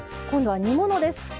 今度は煮物です。